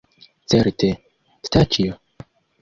Certe, Staĉjo?